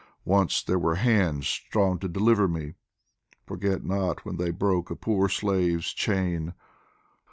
Once there were hands strong to deliver me, Forget not when they broke a poor slave's chain